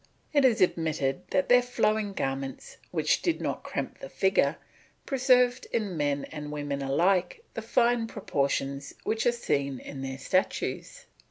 It is admitted that their flowing garments, which did not cramp the figure, preserved in men and women alike the fine proportions which are seen in their statues.